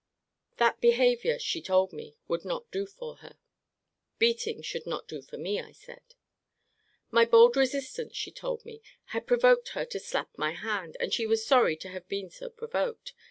That behaviour, she told me, should not do for her. Beating should not do for me, I said. My bold resistance, she told me, had provoked her to slap my hand; and she was sorry to have been so provoked.